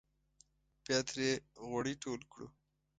بیا ترې غوړي ټول کړو.